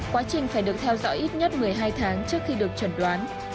quá trình phải được theo dõi ít nhất một mươi hai tháng trước khi được chuẩn đoán